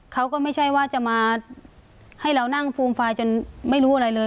เขาก็ไม่ใช่ว่าจะมาให้เรานั่งฟูมฟายจนไม่รู้อะไรเลย